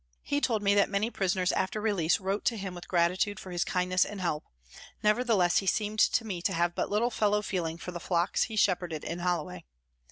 He told me that many prisoners after release wrote to him with gratitude for his kindness and help ; nevertheless he seemed to me to have but little fellow feeling for the flocks he shepherded in Holloway.